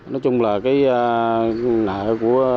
nói chung là cái nợ của